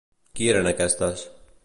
Qui hi eren aquestes?